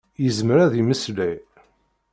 Yezmer ad yemmeslay.